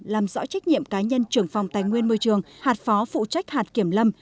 làm rõ trách nhiệm cá nhân trưởng phòng tài nguyên môi trường hạt phó phụ trách hạt kiểm lâm